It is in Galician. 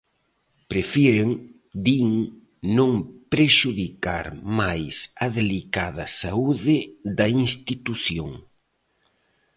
Prefiren, din, non prexudicar máis a delicada saúde da institución.